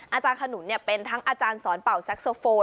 อาจารย์ขนุนเป็นทั้งอาจารย์สอนเป่าแซ็กโซโฟน